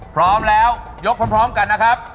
พร้อมแล้วยกพร้อมกันนะครับ